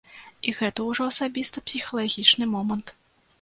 І гэта ўжо асабіста-псіхалагічны момант.